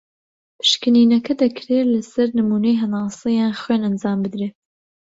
پشکنینەکە دەکرێت لە سەر نمونەی هەناسە یان خوێن ئەنجام بدرێت.